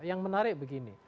yang menarik begini